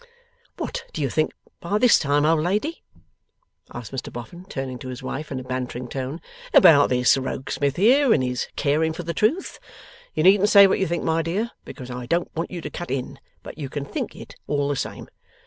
'What do you think by this time, old lady,' asked Mr Boffin, turning to his wife in a bantering tone, 'about this Rokesmith here, and his caring for the truth? You needn't say what you think, my dear, because I don't want you to cut in, but you can think it all the same.